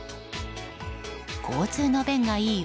交通の便がいい